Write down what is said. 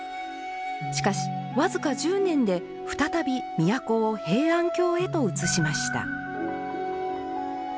しかしわずか１０年で再び都を平安京へと移しました。